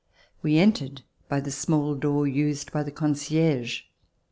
We entered by the small door used by the concierge.